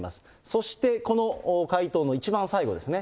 そしてこの回答の一番最後ですね。